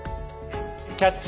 「キャッチ！